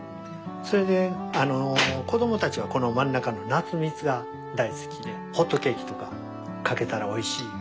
それであの子どもたちはこの真ん中の夏蜜が大好きでホットケーキとかかけたらおいしい。